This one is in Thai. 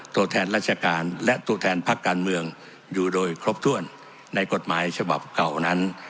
ตัวแทนราชการและตัวแทนพักการเมืองอยู่โดยครบถ้วนในกฎหมายฉบับเก่านั้น